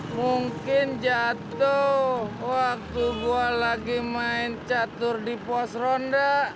mungkin jatuh waktu gue lagi main catur di pos ronda